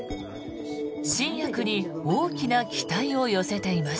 新薬に大きな期待を寄せています。